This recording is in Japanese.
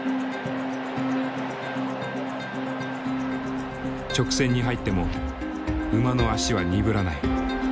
直線に入っても馬の足は鈍らない。